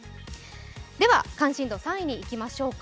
では、関心度３位にいきましょうか。